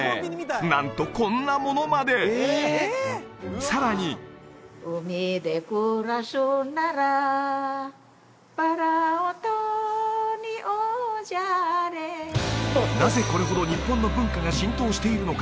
なんとこんなものまでさらになぜこれほど日本の文化が浸透しているのか？